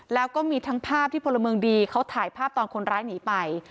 แล้วก็มีทั้งภาพที่พลเมืองดีเขาถ่ายภาพตอนคนร้ายหนีไป